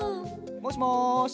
もしもし。